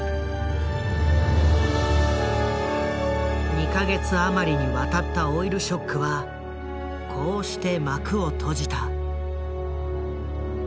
２か月余りにわたったオイルショックはこうして幕を閉じた。